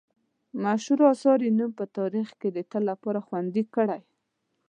مشهورو اثارو یې نوم په تاریخ کې د تل لپاره خوندي کړی.